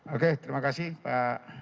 oke terima kasih pak